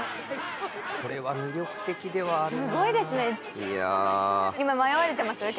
これは魅力的ではあるな。